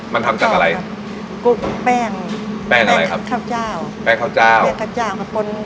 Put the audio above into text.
มันทำจากอะไรแป้งแป้งอะไรครับแป้งข้าวเจ้าแป้งข้าวเจ้า